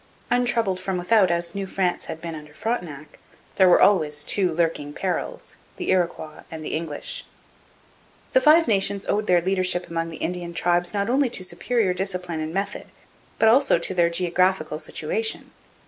Untroubled from without as New France had been under Frontenac, there were always two lurking perils the Iroquois and the English. The Five Nations owed their leadership among the Indian tribes not only to superior discipline and method but also to their geographical situation.